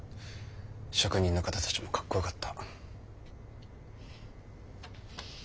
職人の方たちもかっこよかった。